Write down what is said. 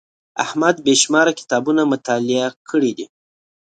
احمد بې شماره کتابونه مطالعه کړي دي.